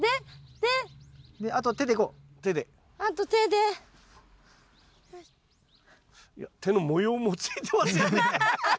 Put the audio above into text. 手の模様もついてますよね。